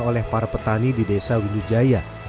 oleh para petani di desa windu jaya